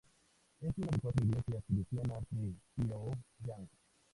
Es una de las cuatro iglesias cristianas de Pionyang.